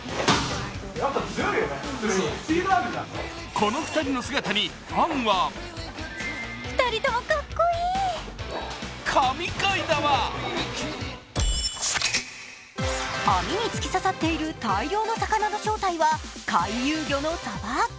この２人の姿にファンは網に突き刺さっている大量の魚の正体は回遊魚のさば。